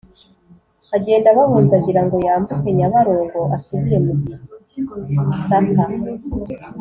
Agenda abahunze agira ngo yambuke Nyabarongo asubire mu Gisaka